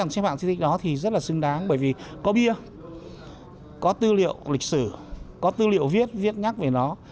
xếp hạng di tích đó thì rất là xứng đáng bởi vì có bia có tư liệu lịch sử có tư liệu viết viết nhắc về nó